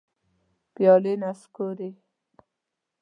پیالي نسکوري